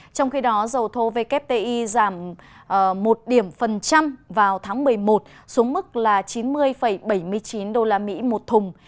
trong khi đó dầu thô wti giảm một một vào tháng một mươi một xuống mức chín mươi bảy mươi chín usd một thùng